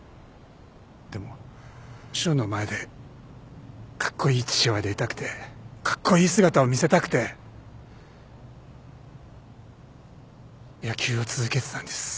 でも翔の前でカッコイイ父親でいたくてカッコイイ姿を見せたくて野球を続けてたんです